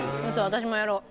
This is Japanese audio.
私もやろう。